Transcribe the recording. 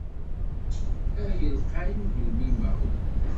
Ay lqay ugelmim-a!